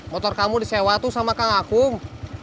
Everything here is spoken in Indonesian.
motor kamu di sewa tuh sama kang akung